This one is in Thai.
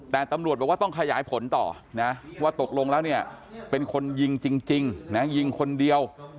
แต่ตำรวจบอกว่าต้องขยายผลต่อนะว่าตกลงแล้วเนี่ยเป็นคนยิงจริงนะยิงคนเดียว